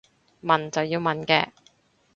問就要問嘅